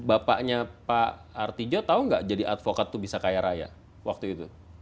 bapaknya pak artijo tahu nggak jadi advokat itu bisa kaya raya waktu itu